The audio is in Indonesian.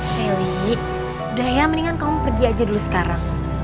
sally udah ya mendingan kamu pergi aja dulu sekarang